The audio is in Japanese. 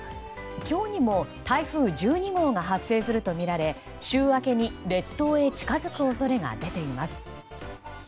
今日にも台風１２号が発生するとみられ週明けに列島へ近づく恐れが出ています。